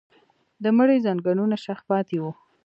د مړي ځنګنونه شخ پاتې وو.